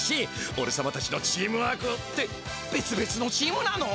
おれさまたちのチームワークってべつべつのチームなの！？